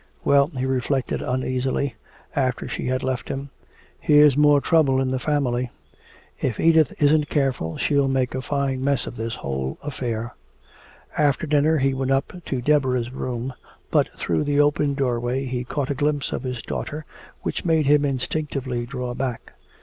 "Well," he reflected uneasily, after she had left him, "here's more trouble in the family. If Edith isn't careful she'll make a fine mess of this whole affair." After dinner he went up to Deborah's room, but through the open doorway he caught a glimpse of his daughter which made him instinctively draw back.